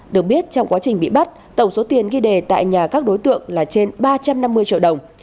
được biết trong quá trình bị bắt tổng số tiền ghi đề tại nhà các đối tượng là trên ba trăm năm mươi triệu đồng